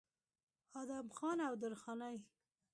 ادم خان او درخانۍ